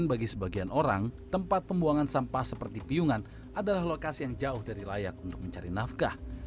bagi sebagian orang tempat pembuangan sampah seperti piungan adalah lokasi yang jauh dari layak untuk mencari nafkah